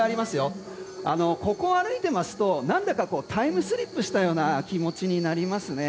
実際にここを歩いてますと何だかタイムスリップしたような気持ちになりますね。